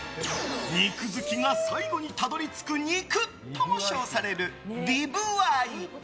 肉好きが最後にたどりつく肉とも称されるリブアイ！